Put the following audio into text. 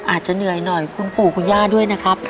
อาจจะเหนื่อยหน่อยคุณปู่คุณย่าด้วยนะครับ